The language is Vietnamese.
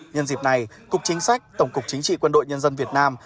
nhân dịp này cục chính sách tổng cục chính trị quân đội nhân dân việt nam